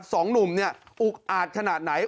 สองหนุ่มเนี่ยอุกอาดขนาดไหน